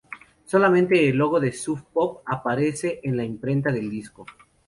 Solamente el logo de Sub Pop aparece en la imprenta del disco.